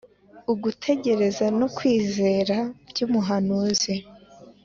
Ugutegereza n’ukwizera by’umuhanuzi